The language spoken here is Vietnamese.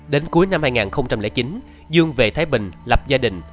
đến cuối năm hai nghìn chín dương về thái bình lập gia đình